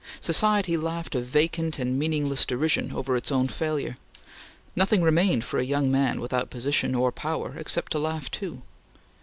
Society laughed a vacant and meaningless derision over its own failure. Nothing remained for a young man without position or power except to laugh too.